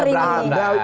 kita akan denger ini